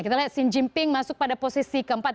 kita lihat xi jinping masuk pada posisi keempat